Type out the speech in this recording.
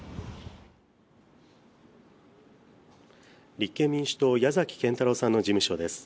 立憲民主党、矢崎堅太郎さんの事務所です。